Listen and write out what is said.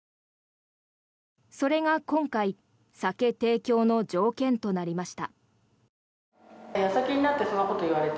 それが今回酒提供の条件となりました。